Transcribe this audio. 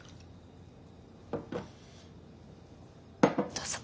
どうぞ。